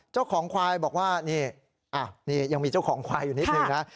เจ้าของควายบอกว่านี่นี่ยังมีเจ้าของควายอยู่นิดนึงนะ